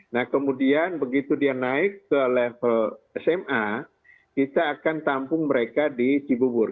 nah kemudian begitu dia naik ke level sma kita akan tampung mereka di cibubur